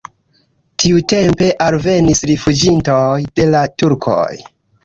Tiutempe alvenis rifuĝintoj de la turkoj.